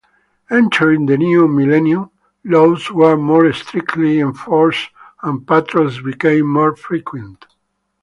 Entering the new millennium, laws were more strictly enforced and patrols became more frequent.